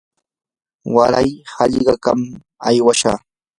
waray hallqatam aywashaq.